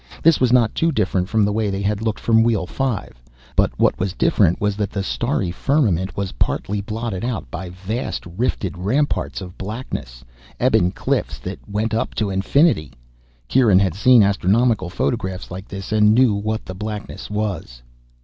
This was not too different from the way they had looked from Wheel Five. But what was different was that the starry firmament was partly blotted out by vast rifted ramparts of blackness, ebon cliffs that went up to infinity. Kieran had seen astronomical photographs like this and knew what the blackness was.